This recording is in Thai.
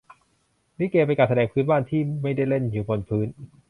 ลิเก เป็นการแสดงพื้นบ้าน ที่ไม่ได้เล่นอยู่บนพื้น